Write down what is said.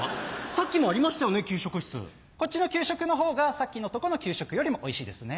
こっちの給食の方がさっきのとこの給食よりもおいしいですね。